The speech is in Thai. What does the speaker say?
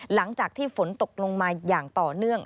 หลังจากที่ฝนตกลงมาอย่างต่อเนื่อง